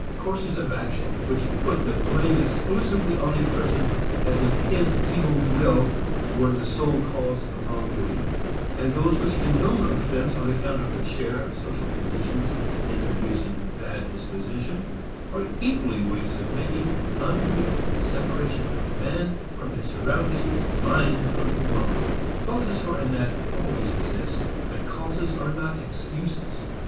Courses of action which put the blame exclusively on a person as if his evil will were the sole cause of wrong doing and those which condone offense on account of the share of social conditions in producing bad disposition, are equally ways of making an unreal separation of man from his surroundings, mind from the world. Causes for an act always exist, but causes are not excuses.